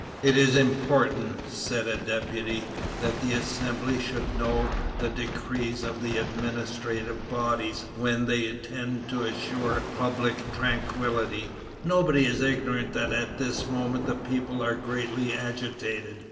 "It is important," said a deputy, "that the Assembly should know the decrees of the administrative bodies when they tend to assure public tranquillity. Nobody is ignorant that at this moment the people are greatly agitated.